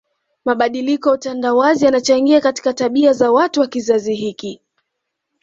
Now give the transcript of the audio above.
Mabadiliko ya utandawazi yanachangia katika tabia za watu wa kizazi hiki